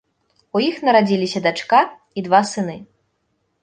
У іх нарадзіліся дачка і два сыны.